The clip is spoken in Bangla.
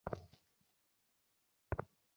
দেখলে, অতোটাও খারাপ না।